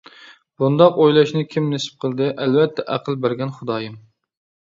بۇنداق ئويلاشنى كىم نېسىپ قىلدى؟ ئەلۋەتتە، ئەقىل بەرگەن خۇدايىم.